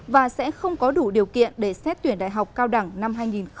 và sẽ không có đủ điều kiện để xét tuyển đại học cao đẳng năm hai nghìn hai mươi